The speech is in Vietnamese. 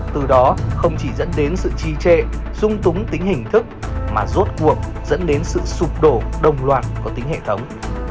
từ đó không chỉ dẫn đến sự chi trệ sung túng tính hình thức mà rốt cuộc dẫn đến sự sụp đổ đồng loạn của tính hệ thống